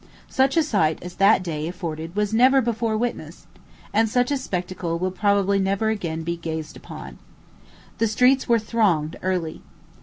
Such a sight as that day afforded was never before witnessed, and such a spectacle will probably never again be gazed upon. The streets were thronged early.